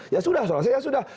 ya sudah soalnya saya sudah